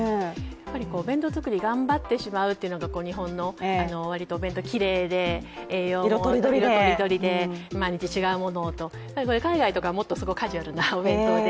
お弁当作り、頑張ってしまうというのが日本の、割ときれいで栄養も色とりどりで毎日違うものと、海外とかはもっとカジュアルなお弁当で。